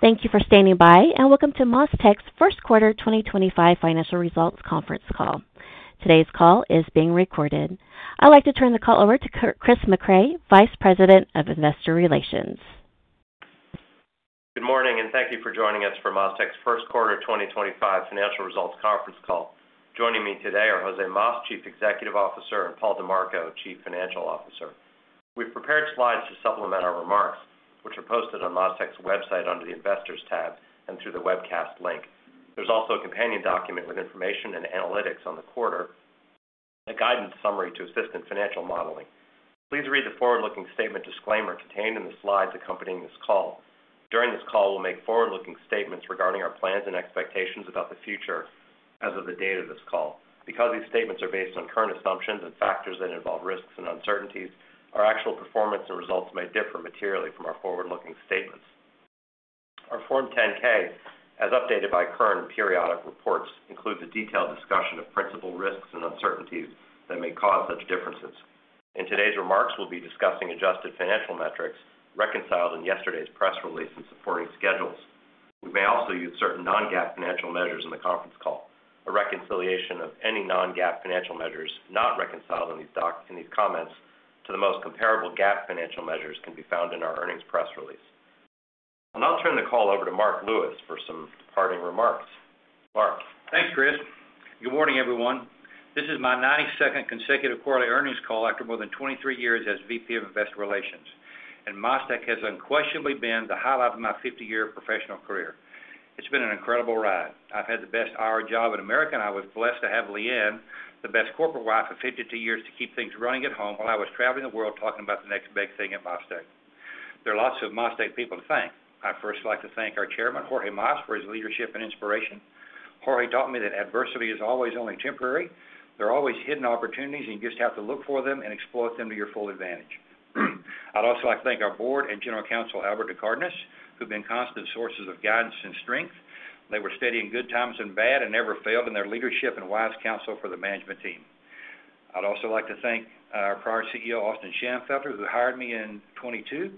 Thank you for standing by, and welcome to MasTec's first quarter 2025 financial results conference call. Today's call is being recorded. I'd like to turn the call over to Chris Mecray, Vice President of Investor Relations. Good morning, and thank you for joining us for MasTec's first quarter 2025 financial results conference call. Joining me today are Jose Mas, Chief Executive Officer, and Paul Dimarco, Chief Financial Officer. We've prepared slides to supplement our remarks, which are posted on MasTec's website under the Investors tab and through the webcast link. There's also a companion document with information and analytics on the quarter, a guidance summary to assist in financial modeling. Please read the forward-looking statement disclaimer contained in the slides accompanying this call. During this call, we'll make forward-looking statements regarding our plans and expectations about the future as of the date of this call. Because these statements are based on current assumptions and factors that involve risks and uncertainties, our actual performance and results may differ materially from our forward-looking statements. Our Form 10-K, as updated by current periodic reports, includes a detailed discussion of principal risks and uncertainties that may cause such differences. In today's remarks, we'll be discussing adjusted financial metrics reconciled in yesterday's press release and supporting schedules. We may also use certain non-GAAP financial measures in the conference call. A reconciliation of any non-GAAP financial measures not reconciled in these comments to the most comparable GAAP financial measures can be found in our earnings press release. I'll turn the call over to Mark Lewis for some departing remarks. Mark. Thanks, Chris. Good morning, everyone. This is my 92nd consecutive quarterly earnings call after more than 23 years as VP of Investor Relations, and MasTec has unquestionably been the highlight of my 50-year professional career. It's been an incredible ride. I've had the best hour job in America, and I was blessed to have Leanne, the best corporate wife of 52 years, to keep things running at home while I was traveling the world talking about the next big thing at MasTec. There are lots of MasTec people to thank. I'd first like to thank our Chairman, Jorge Mas, for his leadership and inspiration. Jorge taught me that adversity is always only temporary. There are always hidden opportunities, and you just have to look for them and exploit them to your full advantage. I'd also like to thank our board and General Counsel, Albert de Cardenas, who have been constant sources of guidance and strength. They were steady in good times and bad and never failed in their leadership and wise counsel for the management team. I'd also like to thank our prior CEO, Austin Shanfelter, who hired me in 2002,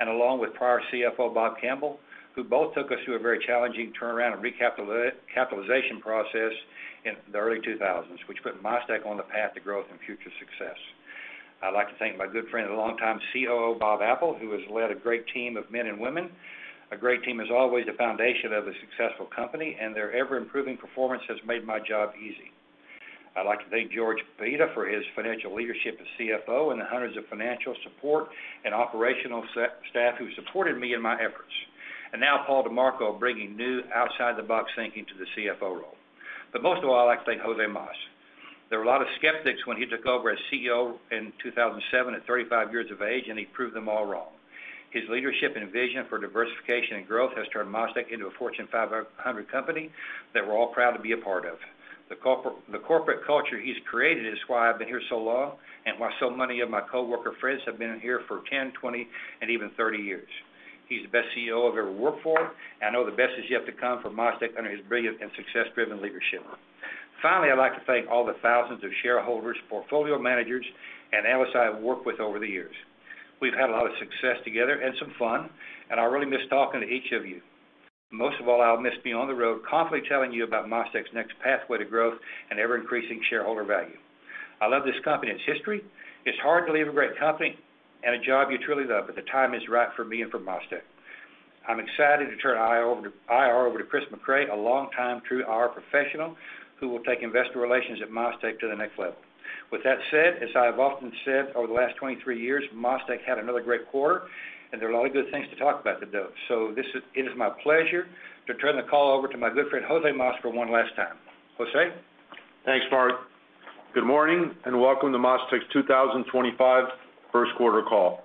and along with prior CFO, Bob Campbell, who both took us through a very challenging turnaround and recapitalization process in the early 2000s, which put MasTec on the path to growth and future success. I'd like to thank my good friend and longtime COO, Bob Apple, who has led a great team of men and women. A great team is always the foundation of a successful company, and their ever-improving performance has made my job easy. I'd like to thank George Pita for his financial leadership as CFO and the hundreds of financial support and operational staff who supported me in my efforts. Now, Paul DiMarco bringing new outside-the-box thinking to the CFO role. Most of all, I'd like to thank Jose Mas. There were a lot of skeptics when he took over as CEO in 2007 at 35 years of age, and he proved them all wrong. His leadership and vision for diversification and growth has turned MasTec into a Fortune 500 company that we're all proud to be a part of. The corporate culture he's created is why I've been here so long and why so many of my coworker friends have been here for 10, 20, and even 30 years. He's the best CEO I've ever worked for, and I know the best is yet to come for MasTec under his brilliant and success-driven leadership. Finally, I'd like to thank all the thousands of shareholders, portfolio managers, and analysts I've worked with over the years. We've had a lot of success together and some fun, and I really miss talking to each of you. Most of all, I'll miss being on the road confidently telling you about MasTec's next pathway to growth and ever-increasing shareholder value. I love this company. Its history. It's hard to leave a great company and a job you truly love, but the time is right for me and for MasTec. I'm excited to turn our IR over to Chris Mecray, a longtime true IR professional who will take investor relations at MasTec to the next level. With that said, as I've often said over the last 23 years, MasTec had another great quarter, and there are a lot of good things to talk about today. It is my pleasure to turn the call over to my good friend, Jose Mas, for one last time. Jose? Thanks, Marc. Good morning and welcome to MasTec's 2025 first quarter call.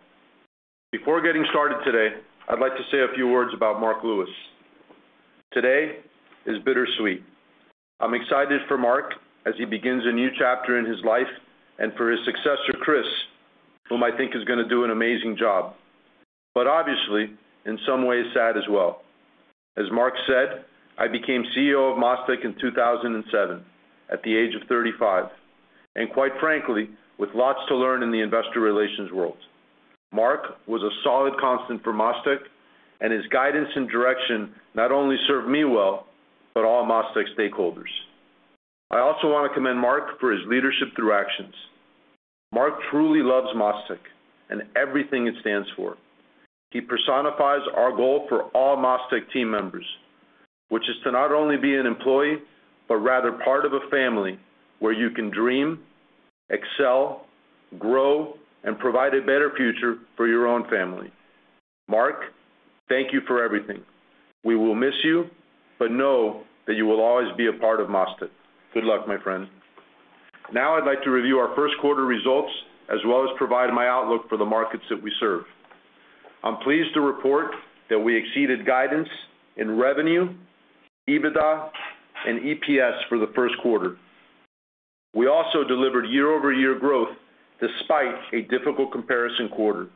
Before getting started today, I'd like to say a few words about Marc Lewis. Today is bittersweet. I'm excited for Marc as he begins a new chapter in his life and for his successor, Chris, whom I think is going to do an amazing job, but obviously, in some ways, sad as well. As Marc said, I became CEO of MasTec in 2007 at the age of 35, and quite frankly, with lots to learn in the investor relations world. Marc was a solid constant for MasTec, and his guidance and direction not only served me well but all MasTec stakeholders. I also want to commend Marc for his leadership through actions. Marc truly loves MasTec and everything it stands for. He personifies our goal for all MasTec team members, which is to not only be an employee but rather part of a family where you can dream, excel, grow, and provide a better future for your own family. Marc, thank you for everything. We will miss you, but know that you will always be a part of MasTec. Good luck, my friend. Now, I'd like to review our first quarter results as well as provide my outlook for the markets that we serve. I'm pleased to report that we exceeded guidance in revenue, EBITDA, and EPS for the first quarter. We also delivered year-over-year growth despite a difficult comparison quarter.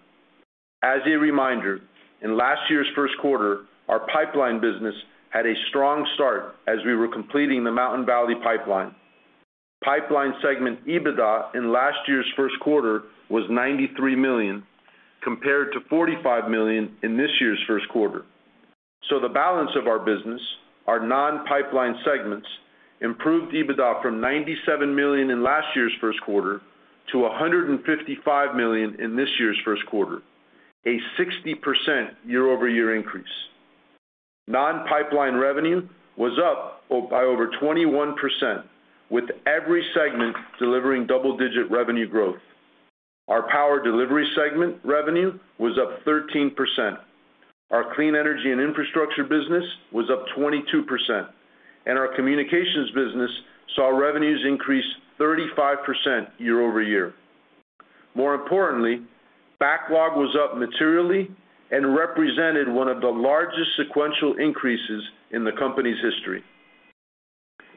As a reminder, in last year's first quarter, our pipeline business had a strong start as we were completing the Mountain Valley Pipeline. Pipeline segment EBITDA in last year's first quarter was $93 million compared to $45 million in this year's first quarter. The balance of our business, our non-pipeline segments, improved EBITDA from $97 million in last year's first quarter to $155 million in this year's first quarter, a 60% year-over-year increase. Non-pipeline revenue was up by over 21%, with every segment delivering double-digit revenue growth. Our power delivery segment revenue was up 13%. Our clean energy and infrastructure business was up 22%, and our communications business saw revenues increase 35% year-over-year. More importantly, backlog was up materially and represented one of the largest sequential increases in the company's history.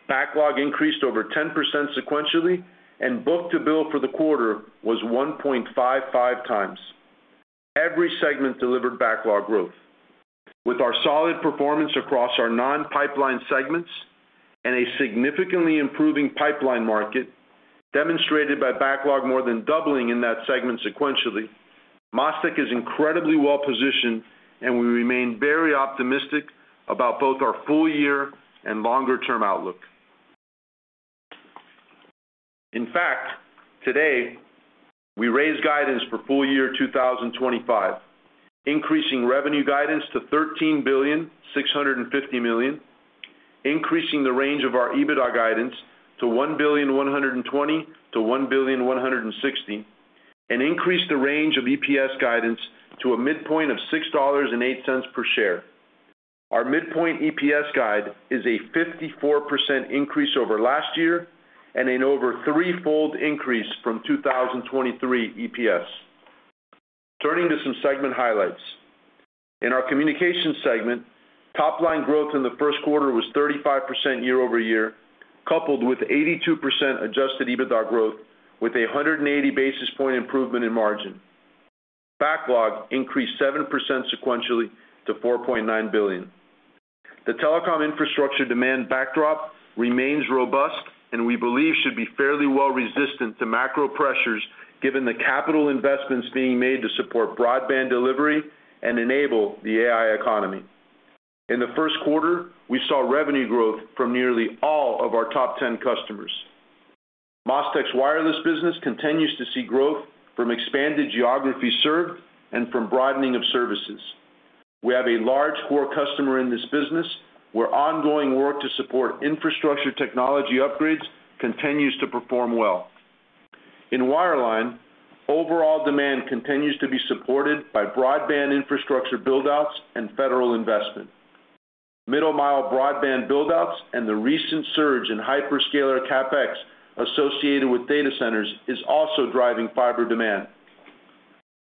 Backlog increased over 10% sequentially, and book to bill for the quarter was 1.55 times. Every segment delivered backlog growth. With our solid performance across our non-pipeline segments and a significantly improving pipeline market, demonstrated by backlog more than doubling in that segment sequentially, MasTec is incredibly well-positioned, and we remain very optimistic about both our full-year and longer-term outlook. In fact, today, we raised guidance for full year 2025, increasing revenue guidance to $13 billion 650 million, increasing the range of our EBITDA guidance to $1 billion 120 million-$1 billion 160 million, and increased the range of EPS guidance to a midpoint of $6.08 per share. Our midpoint EPS guide is a 54% increase over last year and an over threefold increase from 2023 EPS. Turning to some segment highlights. In our communications segment, top-line growth in the first quarter was 35% year-over-year, coupled with 82% adjusted EBITDA growth with a 180 basis point improvement in margin. Backlog increased 7% sequentially to $4.9 billion. The telecom infrastructure demand backdrop remains robust, and we believe should be fairly well-resistant to macro pressures given the capital investments being made to support broadband delivery and enable the AI economy. In the first quarter, we saw revenue growth from nearly all of our top 10 customers. MasTec's wireless business continues to see growth from expanded geographies served and from broadening of services. We have a large core customer in this business where ongoing work to support infrastructure technology upgrades continues to perform well. In wireline, overall demand continues to be supported by broadband infrastructure buildouts and federal investment. Middle-mile broadband buildouts and the recent surge in hyperscaler CapEx associated with data centers is also driving fiber demand.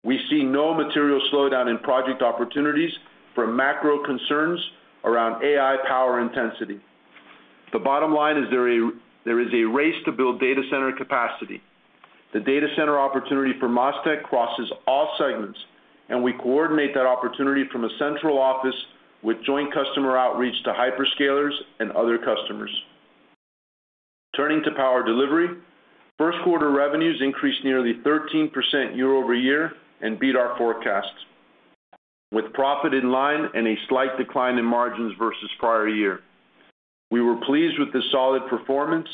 We see no material slowdown in project opportunities for macro concerns around AI power intensity. The bottom line is there is a race to build data center capacity. The data center opportunity for MasTec crosses all segments, and we coordinate that opportunity from a central office with joint customer outreach to hyperscalers and other customers. Turning to power delivery, first quarter revenues increased nearly 13% year-over-year and beat our forecast, with profit in line and a slight decline in margins versus prior year. We were pleased with the solid performance,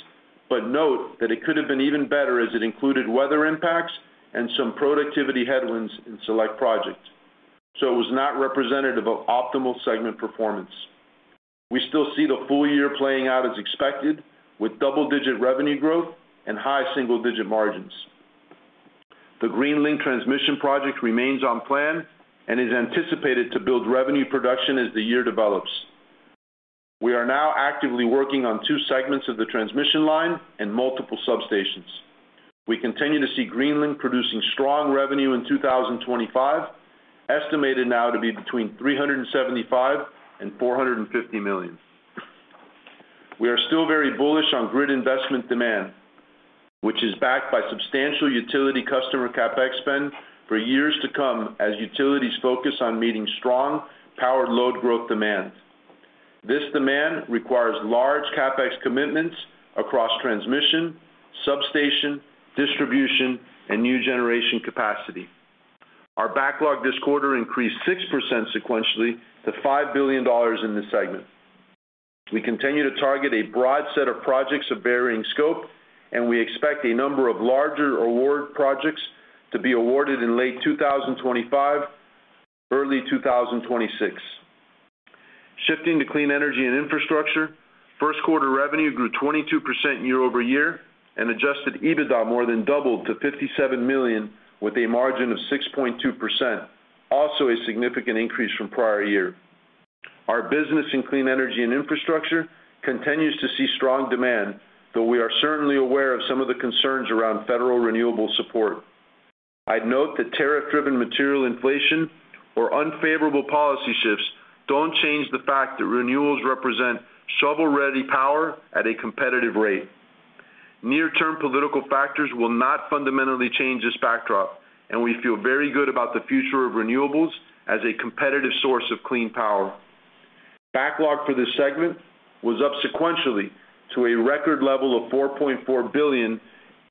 but note that it could have been even better as it included weather impacts and some productivity headwinds in select projects. It was not representative of optimal segment performance. We still see the full year playing out as expected, with double-digit revenue growth and high single-digit margins. The GreenLink transmission project remains on plan and is anticipated to build revenue production as the year develops. We are now actively working on two segments of the transmission line and multiple substations. We continue to see GreenLink producing strong revenue in 2025, estimated now to be between $375 million and $450 million. We are still very bullish on grid investment demand, which is backed by substantial utility customer CapEx spend for years to come as utilities focus on meeting strong power load growth demand. This demand requires large CapEx commitments across transmission, substation, distribution, and new generation capacity. Our backlog this quarter increased 6% sequentially to $5 billion in this segment. We continue to target a broad set of projects of varying scope, and we expect a number of larger award projects to be awarded in late 2025, early 2026. Shifting to clean energy and infrastructure, first quarter revenue grew 22% year-over-year and adjusted EBITDA more than doubled to $57 million with a margin of 6.2%, also a significant increase from prior year. Our business in clean energy and infrastructure continues to see strong demand, though we are certainly aware of some of the concerns around federal renewable support. I'd note that tariff-driven material inflation or unfavorable policy shifts don't change the fact that renewables represent shovel-ready power at a competitive rate. Near-term political factors will not fundamentally change this backdrop, and we feel very good about the future of renewables as a competitive source of clean power. Backlog for this segment was up sequentially to a record level of $4.4 billion,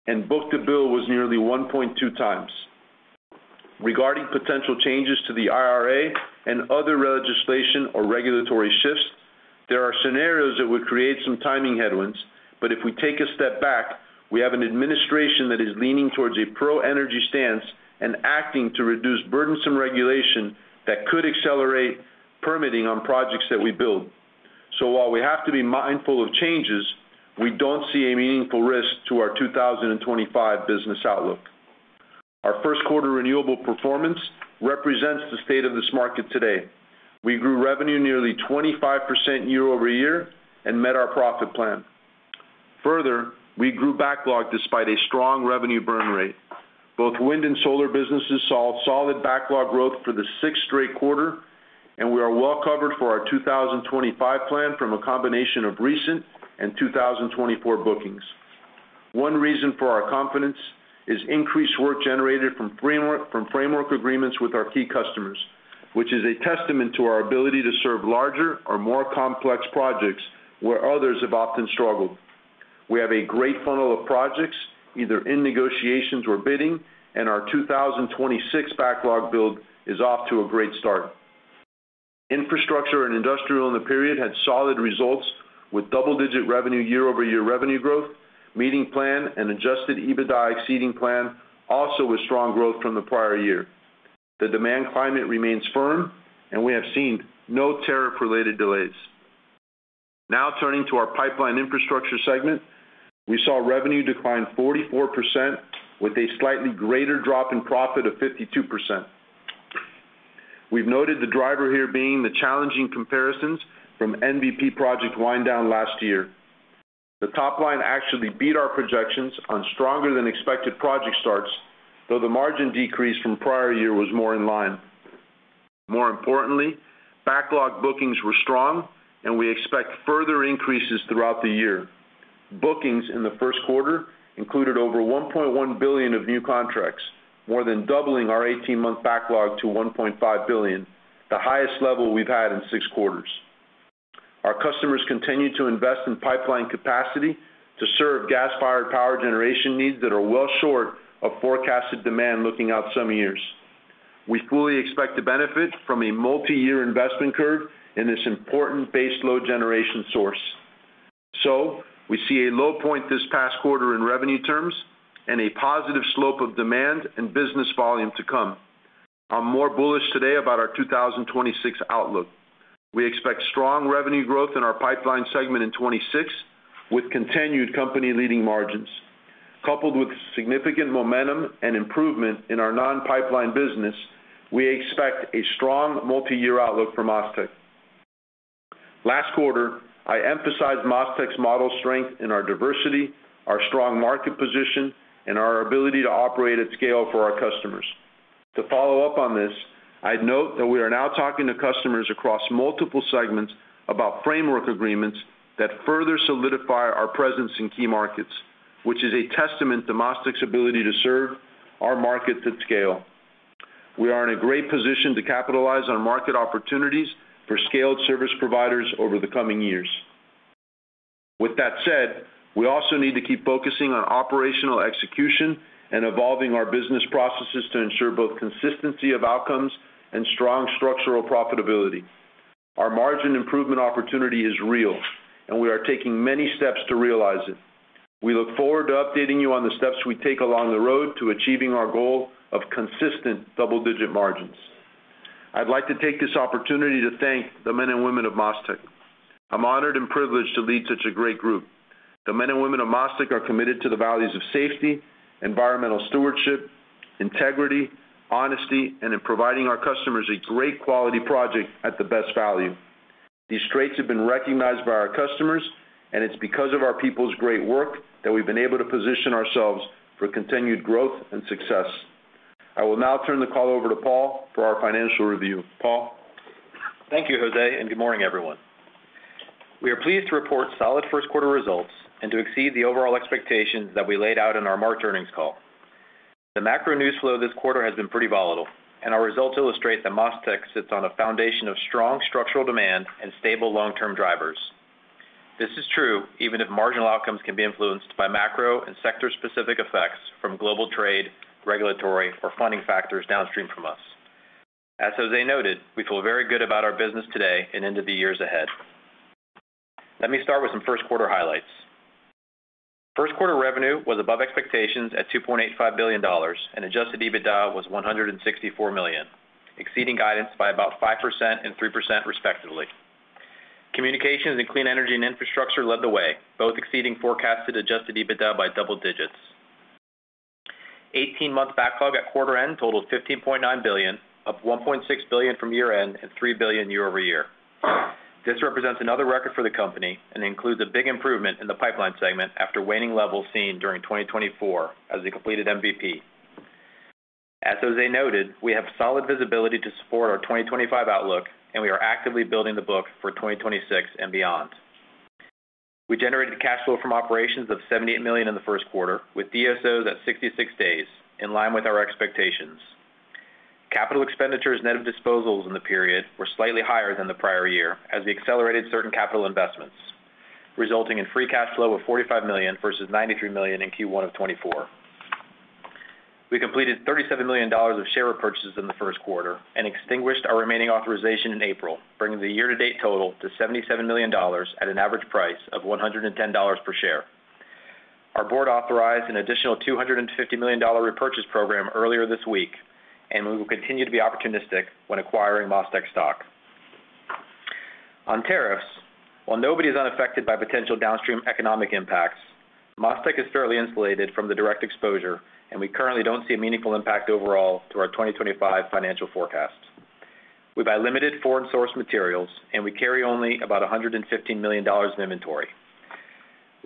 and book to bill was nearly 1.2 times. Regarding potential changes to the IRA and other legislation or regulatory shifts, there are scenarios that would create some timing headwinds, but if we take a step back, we have an administration that is leaning towards a pro-energy stance and acting to reduce burdensome regulation that could accelerate permitting on projects that we build. While we have to be mindful of changes, we do not see a meaningful risk to our 2025 business outlook. Our first quarter renewable performance represents the state of this market today. We grew revenue nearly 25% year-over-year and met our profit plan. Further, we grew backlog despite a strong revenue burn rate. Both wind and solar businesses saw solid backlog growth for the sixth straight quarter, and we are well covered for our 2025 plan from a combination of recent and 2024 bookings. One reason for our confidence is increased work generated from framework agreements with our key customers, which is a testament to our ability to serve larger or more complex projects where others have often struggled. We have a great funnel of projects either in negotiations or bidding, and our 2026 backlog build is off to a great start. Infrastructure and industrial in the period had solid results with double-digit year-over-year revenue growth, meeting plan and adjusted EBITDA exceeding plan, also with strong growth from the prior year. The demand climate remains firm, and we have seen no tariff-related delays. Now turning to our pipeline infrastructure segment, we saw revenue decline 44% with a slightly greater drop in profit of 52%. We've noted the driver here being the challenging comparisons from MVP project wind down last year. The top line actually beat our projections on stronger than expected project starts, though the margin decrease from prior year was more in line. More importantly, backlog bookings were strong, and we expect further increases throughout the year. Bookings in the first quarter included over $1.1 billion of new contracts, more than doubling our 18-month backlog to $1.5 billion, the highest level we've had in six quarters. Our customers continue to invest in pipeline capacity to serve gas-fired power generation needs that are well short of forecasted demand looking out some years. We fully expect to benefit from a multi-year investment curve in this important base load generation source. We see a low point this past quarter in revenue terms and a positive slope of demand and business volume to come. I'm more bullish today about our 2026 outlook. We expect strong revenue growth in our pipeline segment in 2026 with continued company-leading margins. Coupled with significant momentum and improvement in our non-pipeline business, we expect a strong multi-year outlook for MasTec. Last quarter, I emphasized MasTec's model strength in our diversity, our strong market position, and our ability to operate at scale for our customers. To follow up on this, I'd note that we are now talking to customers across multiple segments about framework agreements that further solidify our presence in key markets, which is a testament to MasTec's ability to serve our markets at scale. We are in a great position to capitalize on market opportunities for scaled service providers over the coming years. With that said, we also need to keep focusing on operational execution and evolving our business processes to ensure both consistency of outcomes and strong structural profitability. Our margin improvement opportunity is real, and we are taking many steps to realize it. We look forward to updating you on the steps we take along the road to achieving our goal of consistent double-digit margins. I'd like to take this opportunity to thank the men and women of MasTec. I'm honored and privileged to lead such a great group. The men and women of MasTec are committed to the values of safety, environmental stewardship, integrity, honesty, and in providing our customers a great quality project at the best value. These traits have been recognized by our customers, and it's because of our people's great work that we've been able to position ourselves for continued growth and success. I will now turn the call over to Paul for our financial review. Paul. Thank you, Jose, and good morning, everyone. We are pleased to report solid first quarter results and to exceed the overall expectations that we laid out in our March earnings call. The macro news flow this quarter has been pretty volatile, and our results illustrate that MasTec sits on a foundation of strong structural demand and stable long-term drivers. This is true even if marginal outcomes can be influenced by macro and sector-specific effects from global trade, regulatory, or funding factors downstream from us. As José noted, we feel very good about our business today and into the years ahead. Let me start with some first quarter highlights. First quarter revenue was above expectations at $2.85 billion, and adjusted EBITDA was $164 million, exceeding guidance by about 5% and 3% respectively. Communications and clean energy and infrastructure led the way, both exceeding forecasted adjusted EBITDA by double digits. 18-month backlog at quarter end totaled $15.9 billion, up $1.6 billion from year-end and $3 billion year-over-year. This represents another record for the company and includes a big improvement in the pipeline segment after waning levels seen during 2024 as we completed MVP. As José noted, we have solid visibility to support our 2025 outlook, and we are actively building the book for 2026 and beyond. We generated cash flow from operations of $78 million in the first quarter, with DSOs at 66 days, in line with our expectations. Capital expenditures net of disposals in the period were slightly higher than the prior year as we accelerated certain capital investments, resulting in free cash flow of $45 million versus $93 million in Q1 of 2024. We completed $37 million of share repurchases in the first quarter and extinguished our remaining authorization in April, bringing the year-to-date total to $77 million at an average price of $110 per share. Our board authorized an additional $250 million repurchase program earlier this week, and we will continue to be opportunistic when acquiring MasTec stock. On tariffs, while nobody is unaffected by potential downstream economic impacts, MasTec is fairly insulated from the direct exposure, and we currently do not see a meaningful impact overall to our 2025 financial forecast. We buy limited foreign-sourced materials, and we carry only about $115 million of inventory.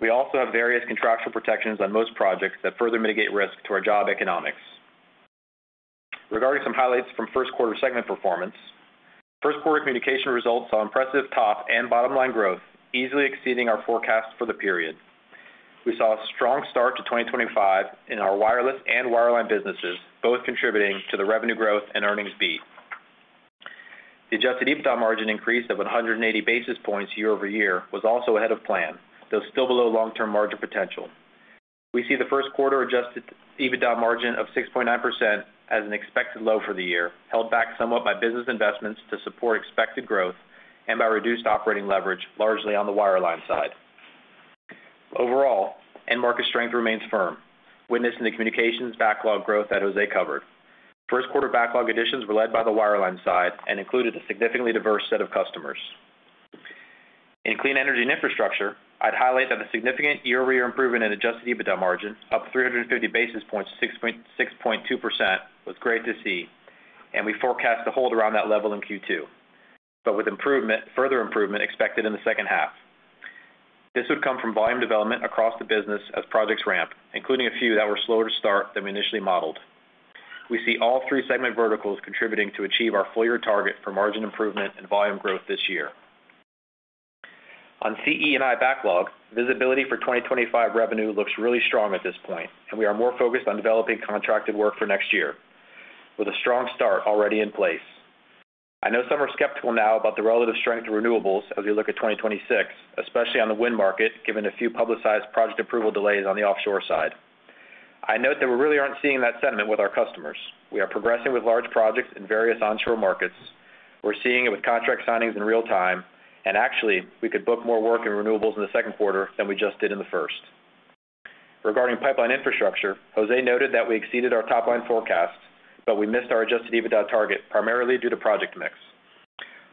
We also have various contractual protections on most projects that further mitigate risk to our job economics. Regarding some highlights from first quarter segment performance, first quarter communication results saw impressive top and bottom line growth, easily exceeding our forecast for the period. We saw a strong start to 2025 in our wireless and wireline businesses, both contributing to the revenue growth and earnings beat. The adjusted EBITDA margin increase of 180 basis points year-over-year was also ahead of plan, though still below long-term margin potential. We see the first quarter adjusted EBITDA margin of 6.9% as an expected low for the year, held back somewhat by business investments to support expected growth and by reduced operating leverage, largely on the wireline side. Overall, end market strength remains firm, witnessing the communications backlog growth that Jose covered. First quarter backlog additions were led by the wireline side and included a significantly diverse set of customers. In clean energy and infrastructure, I'd highlight that the significant year-over-year improvement in adjusted EBITDA margin, up 350 basis points to 6.2%, was great to see, and we forecast to hold around that level in Q2, but with further improvement expected in the second half. This would come from volume development across the business as projects ramp, including a few that were slower to start than we initially modeled. We see all three segment verticals contributing to achieve our full-year target for margin improvement and volume growth this year. On CE and I backlog, visibility for 2025 revenue looks really strong at this point, and we are more focused on developing contracted work for next year, with a strong start already in place. I know some are skeptical now about the relative strength of renewables as we look at 2026, especially on the wind market, given a few publicized project approval delays on the offshore side. I note that we really are not seeing that sentiment with our customers. We are progressing with large projects in various onshore markets. We are seeing it with contract signings in real time, and actually, we could book more work in renewables in the second quarter than we just did in the first. Regarding pipeline infrastructure, Jose noted that we exceeded our top line forecast, but we missed our adjusted EBITDA target primarily due to project mix.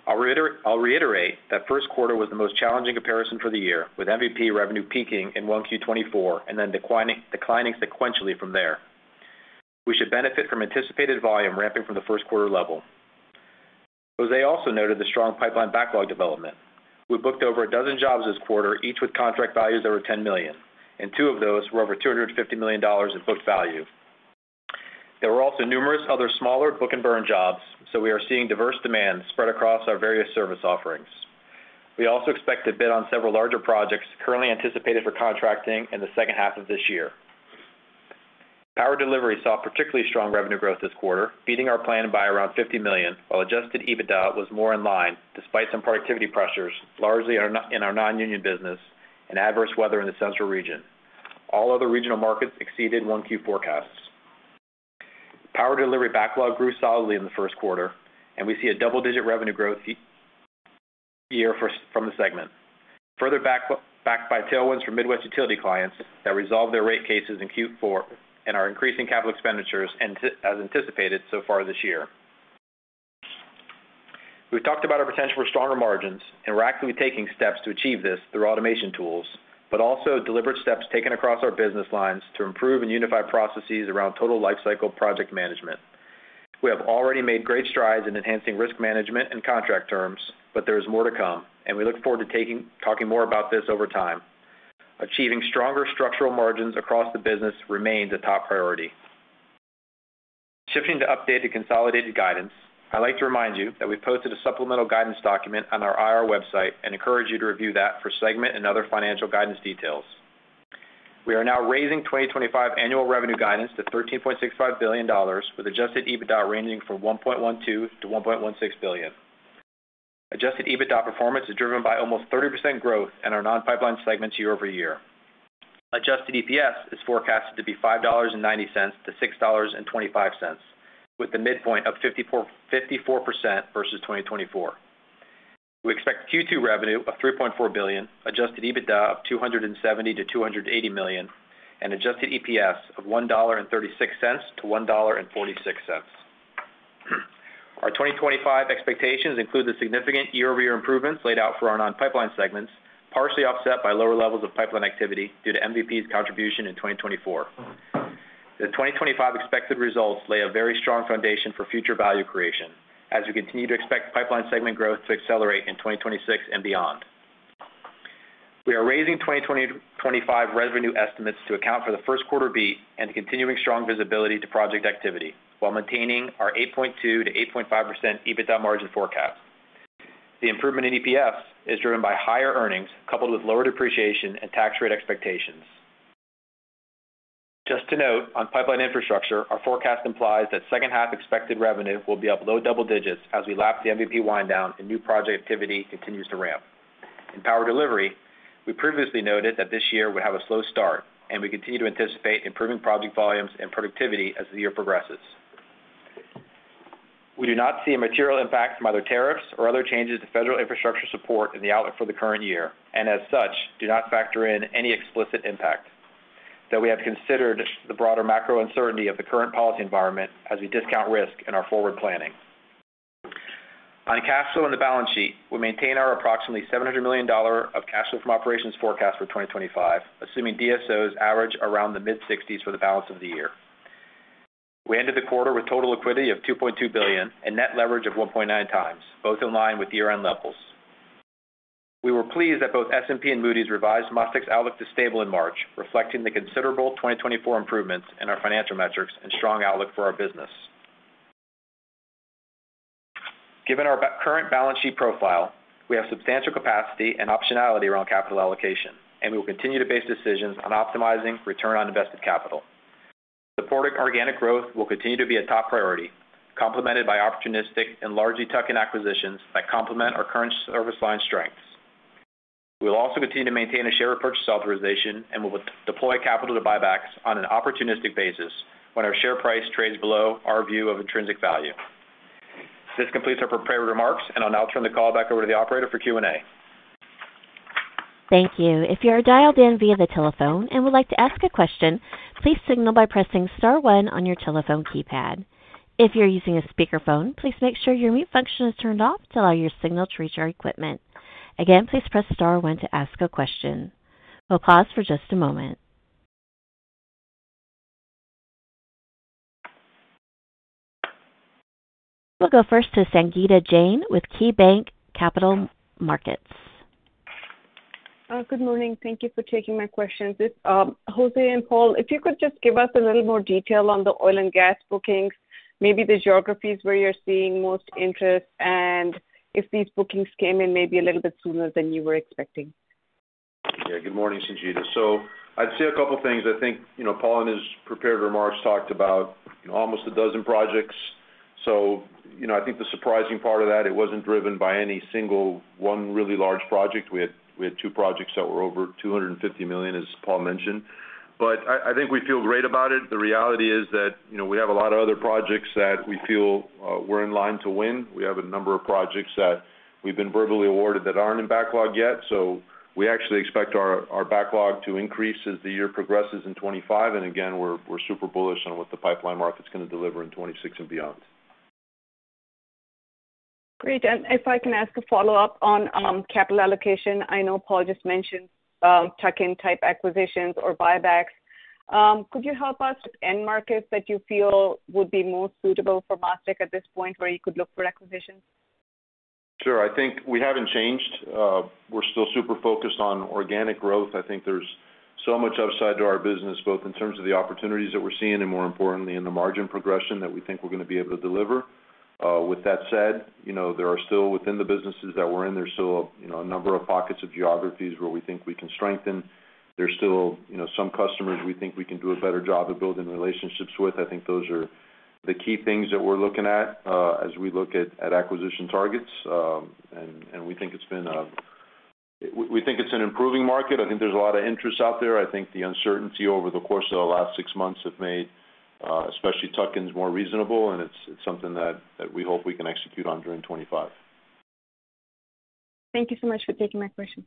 I will reiterate that first quarter was the most challenging comparison for the year, with MVP revenue peaking in one Q24 and then declining sequentially from there. We should benefit from anticipated volume ramping from the first quarter level. Jose also noted the strong pipeline backlog development. We booked over a dozen jobs this quarter, each with contract values over $10 million, and two of those were over $250 million in booked value. There were also numerous other smaller book and burn jobs, so we are seeing diverse demand spread across our various service offerings. We also expect to bid on several larger projects currently anticipated for contracting in the second half of this year. Power delivery saw particularly strong revenue growth this quarter, beating our plan by around $50 million, while adjusted EBITDA was more in line despite some productivity pressures, largely in our non-union business and adverse weather in the Central Region. All other regional markets exceeded one Q forecasts. Power delivery backlog grew solidly in the first quarter, and we see a double-digit revenue growth year from the segment, further backed by tailwinds from Midwest utility clients that resolved their rate cases in Q4 and are increasing capital expenditures as anticipated so far this year. We've talked about our potential for stronger margins, and we're actively taking steps to achieve this through automation tools, but also deliberate steps taken across our business lines to improve and unify processes around total lifecycle project management. We have already made great strides in enhancing risk management and contract terms, but there is more to come, and we look forward to talking more about this over time. Achieving stronger structural margins across the business remains a top priority. Shifting to updated consolidated guidance, I'd like to remind you that we've posted a supplemental guidance document on our IR website and encourage you to review that for segment and other financial guidance details. We are now raising 2025 annual revenue guidance to $13.65 billion, with adjusted EBITDA ranging from $1.12-$1.16 billion. Adjusted EBITDA performance is driven by almost 30% growth in our non-pipeline segments year-over-year. Adjusted EPS is forecasted to be $5.90-$6.25, with the midpoint of 54% versus 2024. We expect Q2 revenue of $3.4 billion, adjusted EBITDA of $270-$280 million, and adjusted EPS of $1.36-$1.46. Our 2025 expectations include the significant year-over-year improvements laid out for our non-pipeline segments, partially offset by lower levels of pipeline activity due to MVP's contribution in 2024. The 2025 expected results lay a very strong foundation for future value creation, as we continue to expect pipeline segment growth to accelerate in 2026 and beyond. We are raising 2025 revenue estimates to account for the first quarter beat and continuing strong visibility to project activity while maintaining our 8.2%-8.5% EBITDA margin forecast. The improvement in EPS is driven by higher earnings coupled with lower depreciation and tax rate expectations. Just to note, on pipeline infrastructure, our forecast implies that second half expected revenue will be up low double digits as we lap the MVP wind down and new project activity continues to ramp. In power delivery, we previously noted that this year would have a slow start, and we continue to anticipate improving project volumes and productivity as the year progresses. We do not see a material impact from either tariffs or other changes to federal infrastructure support in the outlook for the current year, and as such, do not factor in any explicit impact. Though we have considered the broader macro uncertainty of the current policy environment as we discount risk in our forward planning. On cash flow in the balance sheet, we maintain our approximately $700 million of cash flow from operations forecast for 2025, assuming DSOs average around the mid-60s for the balance of the year. We ended the quarter with total liquidity of $2.2 billion and net leverage of 1.9 times, both in line with year-end levels. We were pleased that both S&P and Moody's revised MasTec's outlook to stable in March, reflecting the considerable 2024 improvements in our financial metrics and strong outlook for our business. Given our current balance sheet profile, we have substantial capacity and optionality around capital allocation, and we will continue to base decisions on optimizing return on invested capital. Supporting organic growth will continue to be a top priority, complemented by opportunistic and largely tuck-in acquisitions that complement our current service line strengths. We will also continue to maintain a share repurchase authorization and will deploy capital to buybacks on an opportunistic basis when our share price trades below our view of intrinsic value. This completes our prepared remarks, and I'll now turn the call back over to the operator for Q&A. Thank you. If you are dialed in via the telephone and would like to ask a question, please signal by pressing Star one on your telephone keypad. If you're using a speakerphone, please make sure your mute function is turned off to allow your signal to reach our equipment. Again, please press Star one to ask a question. We'll pause for just a moment. We'll go first to Sangita Jain with KeyBanc Capital Markets. Good morning. Thank you for taking my questions. It's Jose and Paul. If you could just give us a little more detail on the oil and gas bookings, maybe the geographies where you're seeing most interest, and if these bookings came in maybe a little bit sooner than you were expecting. Yeah. Good morning, Sangita. I'd say a couple of things. I think Paul in his prepared remarks talked about almost a dozen projects. I think the surprising part of that, it was not driven by any single one really large project. We had two projects that were over $250 million, as Paul mentioned. I think we feel great about it. The reality is that we have a lot of other projects that we feel we're in line to win. We have a number of projects that we've been verbally awarded that aren't in backlog yet. We actually expect our backlog to increase as the year progresses in 2025. We are super bullish on what the pipeline market's going to deliver in 2026 and beyond. Great. If I can ask a follow-up on capital allocation, I know Paul just mentioned tuck-in type acquisitions or buybacks. Could you help us with end markets that you feel would be most suitable for MasTec at this point where you could look for acquisitions? Sure. I think we haven't changed. We're still super focused on organic growth. I think there's so much upside to our business, both in terms of the opportunities that we're seeing and, more importantly, in the margin progression that we think we're going to be able to deliver. With that said, there are still within the businesses that we're in, there's still a number of pockets of geographies where we think we can strengthen. There's still some customers we think we can do a better job of building relationships with. I think those are the key things that we're looking at as we look at acquisition targets. We think it's an improving market. I think there's a lot of interest out there. I think the uncertainty over the course of the last six months has made especially tuck-ins more reasonable, and it's something that we hope we can execute on during 2025. Thank you so much for taking my questions.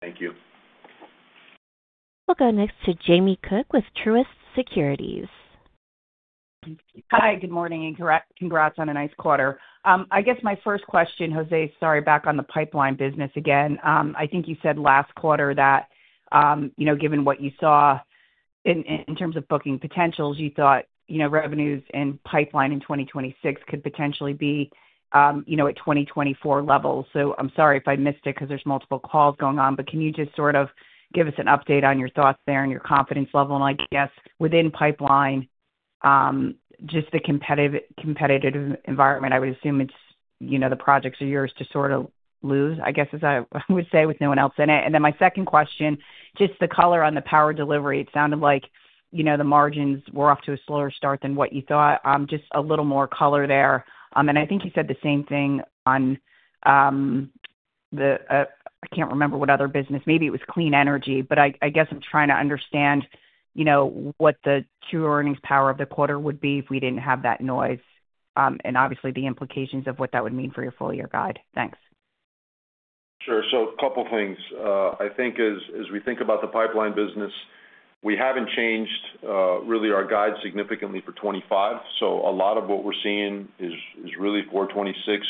Thank you. We'll go next to Jamie Cook with Truist Securities. Hi. Good morning and congrats on a nice quarter. I guess my first question, Jose, sorry, back on the pipeline business again. I think you said last quarter that given what you saw in terms of booking potentials, you thought revenues and pipeline in 2026 could potentially be at 2024 levels. I'm sorry if I missed it because there's multiple calls going on, but can you just sort of give us an update on your thoughts there and your confidence level? I guess within pipeline, just the competitive environment, I would assume the projects are yours to sort of lose, I guess, as I would say, with no one else in it. My second question, just the color on the power delivery. It sounded like the margins were off to a slower start than what you thought. Just a little more color there. I think you said the same thing on the I can't remember what other business. Maybe it was clean energy, but I guess I'm trying to understand what the true earnings power of the quarter would be if we didn't have that noise and obviously the implications of what that would mean for your full-year guide. Thanks. Sure. A couple of things. I think as we think about the pipeline business, we haven't changed really our guide significantly for 2025. A lot of what we're seeing is really for 2026.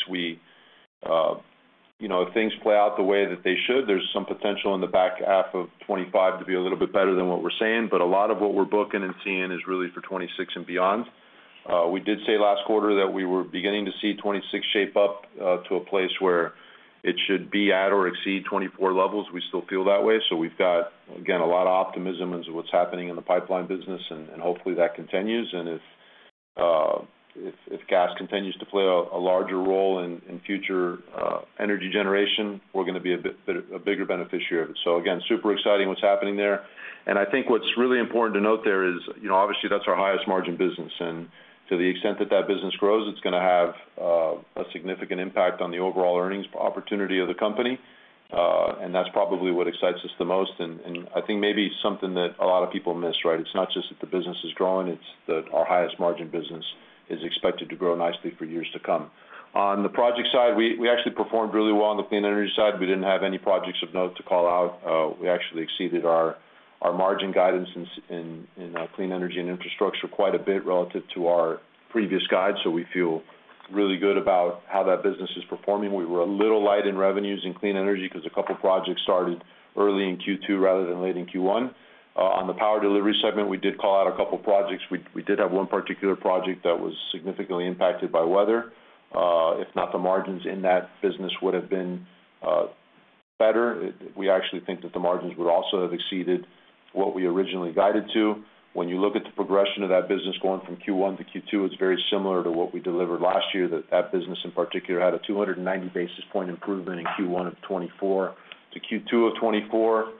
If things play out the way that they should, there's some potential in the back half of 2025 to be a little bit better than what we're seeing. A lot of what we're booking and seeing is really for 2026 and beyond. We did say last quarter that we were beginning to see 2026 shape up to a place where it should be at or exceed 2024 levels. We still feel that way. We have, again, a lot of optimism as to what's happening in the pipeline business, and hopefully that continues. If gas continues to play a larger role in future energy generation, we're going to be a bigger beneficiary of it. Again, super exciting what's happening there. I think what's really important to note there is, obviously, that's our highest margin business. To the extent that that business grows, it's going to have a significant impact on the overall earnings opportunity of the company. That's probably what excites us the most. I think maybe something that a lot of people miss, right? It's not just that the business is growing. It's that our highest margin business is expected to grow nicely for years to come. On the project side, we actually performed really well on the clean energy side. We didn't have any projects of note to call out. We actually exceeded our margin guidance in clean energy and infrastructure quite a bit relative to our previous guide. We feel really good about how that business is performing. We were a little light in revenues in clean energy because a couple of projects started early in Q2 rather than late in Q1. On the power delivery segment, we did call out a couple of projects. We did have one particular project that was significantly impacted by weather. If not, the margins in that business would have been better. We actually think that the margins would also have exceeded what we originally guided to. When you look at the progression of that business going from Q1 to Q2, it's very similar to what we delivered last year, that that business in particular had a 290 basis point improvement in Q1 of 2024 to Q2 of 2024.